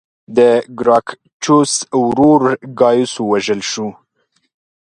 د ګراکچوس ورور ګایوس ووژل شو